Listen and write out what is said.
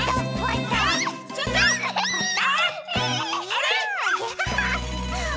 あれ？